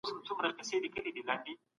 د کار ځواک د مهارتونو لوړول د صنعت اړتیا ده.